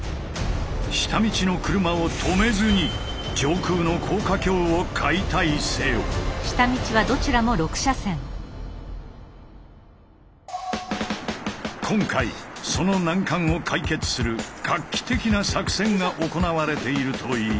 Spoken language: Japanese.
下道の車を止めずに今回その難関を解決する画期的な作戦が行われているという。